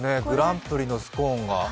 グランプリのスコーンが。